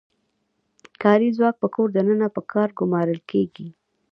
کاري ځواک په کور دننه په کار ګومارل کیږي.